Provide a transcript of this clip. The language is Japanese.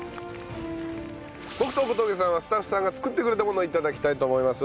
僕と小峠さんはスタッフさんが作ってくれたものを頂きたいと思います。